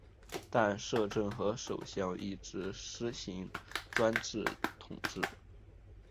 但摄政和首相一直施行专制统治。